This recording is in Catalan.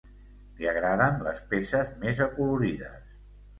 Li agraden les peces més acolorides.